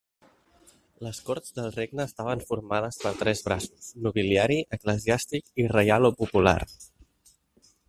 Les Corts del regne estaven formades per tres braços: nobiliari, eclesiàstic i reial o popular.